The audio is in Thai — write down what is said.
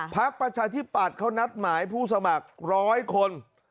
ประชาธิปัตย์เขานัดหมายผู้สมัคร๑๐๐คน